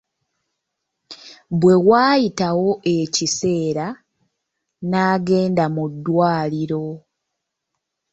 Bwe waayitawo ekiseera n'agenda mu ddwaliro.